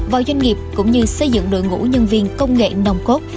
vào doanh nghiệp cũng như xây dựng đội ngũ nhân viên công nghệ nồng cốt